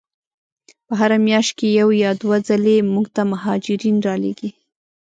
په هره میاشت کې یو یا دوه ځلې موږ ته مهاجرین را لیږي.